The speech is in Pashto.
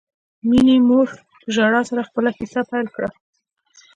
مينې مور په ژړا سره خپله کیسه پیل کړه